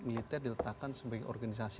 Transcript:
militer diletakkan sebagai organisasi